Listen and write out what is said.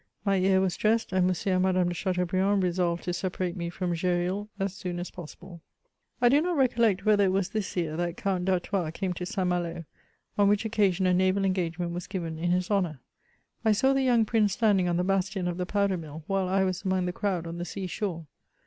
My ear was dressed, and Monsieur and Madame de Chateaubriand resolved to separate me from Gresril as soon as possible.* I do not recollect whether it was this year that Count d' Artois came to St. Malo ; on which occasion a naval engage ment was given in his honour. I saw the young Prince stand ing on the bastion of the powder mill, while I was among the crowd on the sea shore.